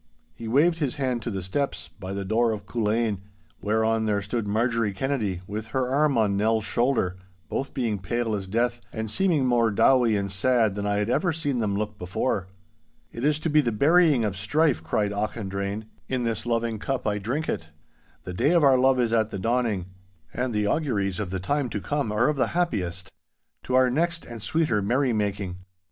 He waved his hand to the steps, by the door of Culzean, whereon there stood Marjorie Kennedy, with her arm on Nell's shoulder, both being pale as death, and seeming more dowie and sad than I had ever seen them look before. 'It is to be the burying of strife,' cried Auchendrayne; 'in this loving cup I drink it. The day of our love is at the dawning, and the auguries of the time to come are of the happiest. To our next and sweeter merrymaking!